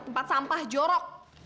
tempat sampah jorok